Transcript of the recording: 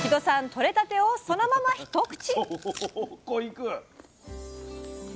とれたてをそのまま一口！